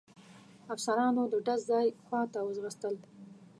افسرانو د ډز ځای خواته وځغستل.